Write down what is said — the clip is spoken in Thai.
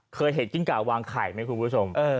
เคยเห็นกิ้งก่าวางไข่ไหมคุณผู้ชม